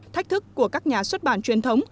thách thức của các nhà xuất bản truyền thống